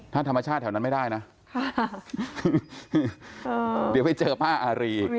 ถ้าธรรมชาติแถวนั้นไม่ได้นะเดี๋ยวไปเจอป้าอารี